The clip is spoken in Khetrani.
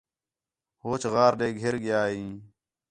ہوچ غار ݙے گھر ڳِیا ہیں